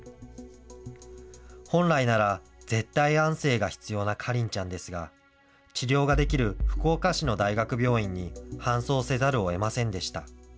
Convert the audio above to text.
本来なら、絶対安静が必要な花梨ちゃんですが、治療ができる福岡市の大学病院に搬送せざるをえませんでした。